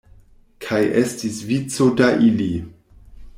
Kaj estis vico da ili.